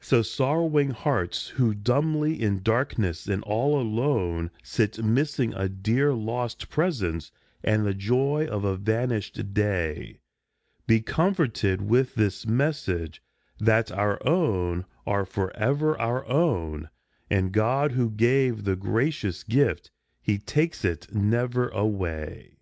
So sorrowing hearts who dumbly in darkness and all alone Sit missing a dear lost presence and the joy of a van ished day, Be comforted with this message that our own are forever our own, And God, who gave the gracious gift, he takes it never away.